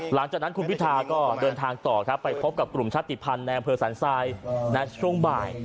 หลังจากนั้นคุณพิธาก็เดินทางต่อครับไปพบกับกลุ่มชาติภัณฑ์ในอำเภอสันทรายช่วงบ่าย